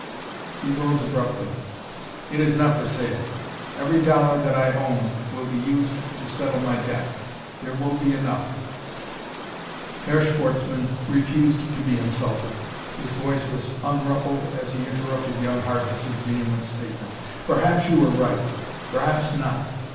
He rose abruptly. "It is not for sale. Every dollar that I own will be used to settle my debt. There will be enough "Herr Schwartzmann refused to be insulted. His voice was unruffled as he interrupted young Harkness' vehement statement. "Perhaps you are right; perhaps not.